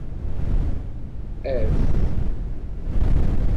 Af.